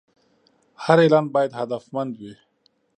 هر اعلان باید هدفمند وي.